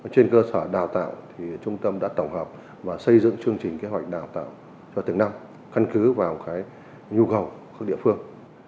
trên cơ sở đào tạo trung tâm đã tổng hợp và xây dựng chương trình kế hoạch đào tạo cho từng năm căn cứ vào nhu cầu của các địa phương